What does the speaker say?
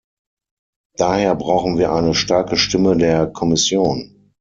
Daher brauchen wir eine starke Stimme der Kommission.